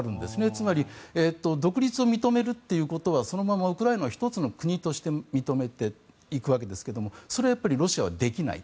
つまり独立を認めるということはそのままウクライナを１つの国として認めていくわけですがそれはやっぱりロシアはできない。